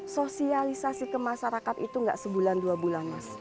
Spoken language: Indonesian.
sosialisasi ke masyarakat itu nggak sebulan dua bulan mas